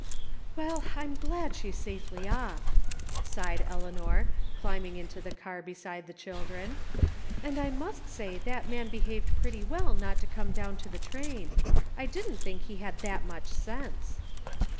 " Well, I'm glad she's safely off," sighed Eleanor, climbing into the car beside the children, " and I must say that man behaved pretty well not to come down to the train. I didn't think he had that much sense!